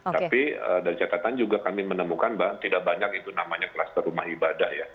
tapi dari catatan juga kami menemukan mbak tidak banyak itu namanya kluster rumah ibadah ya